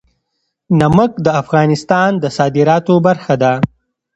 نمک د افغانستان د صادراتو برخه ده.